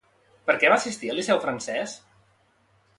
Per què va assistir al Liceu francès?